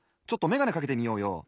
ちょっとめがねかけてみようよ。